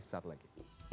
sekali sekali lagi